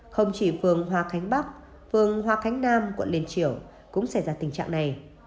không chỉ phường hòa khánh bắc phường hoa khánh nam quận liên triều cũng xảy ra tình trạng này